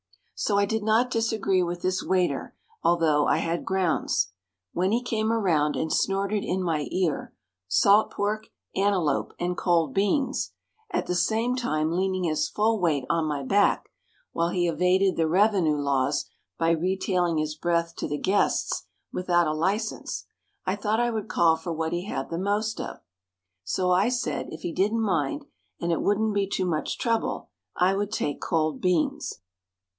So I did not disagree with this waiter, although I had grounds. When he came around and snorted in my ear, "Salt pork, antelope and cold beans," at the same time leaning his full weight on my back, while he evaded the revenue laws by retailing his breath to the guests without a license, I thought I would call for what he had the most of, so I said if he didn't mind and it wouldn't be too much trouble, I would take cold beans.